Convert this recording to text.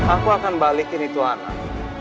aku akan balikin itu anak